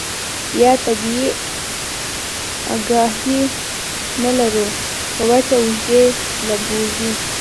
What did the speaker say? يا طبي اګاهي نۀ لرلو پۀ وجه اوږدې له بوځي